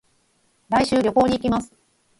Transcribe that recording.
来週、旅行に行きます。